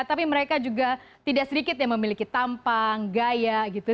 tapi mereka juga tidak sedikit yang memiliki tampang gaya gitu